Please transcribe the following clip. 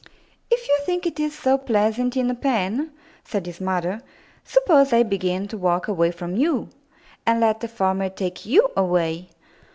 "If you think it is so pleasant in the pen," said his mother, "suppose I begin to walk away from you, and let the farmer take you away.